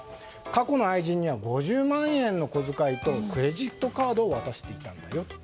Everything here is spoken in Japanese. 過去の愛人には５０万円お小遣いとクレジットカードを渡していたんだよと。